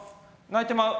泣いてまう！